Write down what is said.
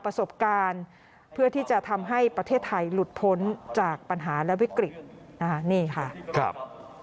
ประสบการณ์เพื่อที่จะทำให้ประเทศไทยหลุดพ้นจากปัญหาและวิกฤตนะคะนี่ค่ะครับ